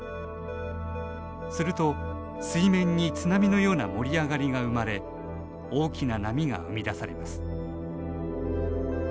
すると、水面に津波のような盛り上がりが生まれ大きな波が生み出されます。